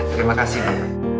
terima kasih bu